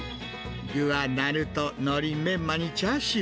具はなると、のり、メンマにチャーシュー。